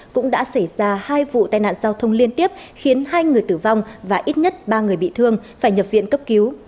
cũng đã xảy ra hai vụ tai nạn giao thông liên tiếp khiến hai người tử vong và ít nhất ba người bị thương phải nhập viện cấp cứu